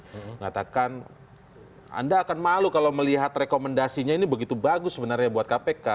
mengatakan anda akan malu kalau melihat rekomendasinya ini begitu bagus sebenarnya buat kpk